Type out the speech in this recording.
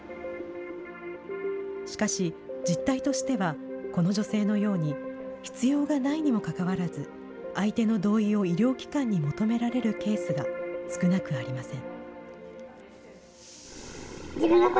しかし、実態としてはこの女性のように、必要がないにもかかわらず、相手の同意を医療機関に求められるケースが少なくありません。